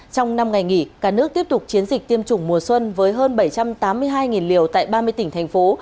trong năm ngày nghỉ cả nước tiếp tục chiến dịch tiêm chủng mùa xuân với hơn bảy trăm tám mươi hai liều tại ba mươi tỉnh thành phố